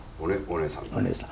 お姉さん。